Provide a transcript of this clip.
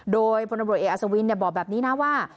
โดยพลตำรวจเอกอัศวินบอกแบบนี้นะว่า